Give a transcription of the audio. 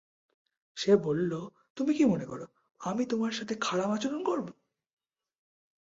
সে বলল, তুমি কি মনে কর, আমি তোমার সাথে খারাপ আচরণ করব।